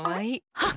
はっ！